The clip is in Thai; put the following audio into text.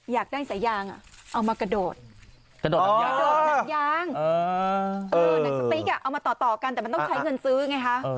อยากได้สายยางอ่ะเอามากระโดดนักยางนักสปิ๊กอ่ะเอามาต่อกันแต่มันต้องใช้เงินซื้อไงฮะ